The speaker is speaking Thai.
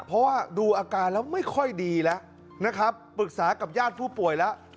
เพราะว่าดูอาการแล้วไม่ค่อยดีแล้วนะครับปรึกษากับญาติผู้ป่วยแล้ว